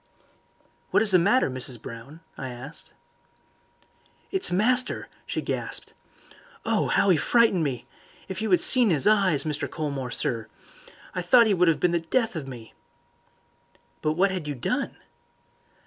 "What is the matter, Mrs. Brown?" I asked. "It's master!" she gasped. "Oh, 'ow 'e frightened me! If you had seen 'is eyes, Mr. Colmore, sir. I thought 'e would 'ave been the death of me." "But what had you done?"